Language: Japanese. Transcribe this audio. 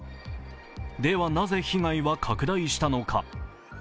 では、なぜ被害は拡大したのか。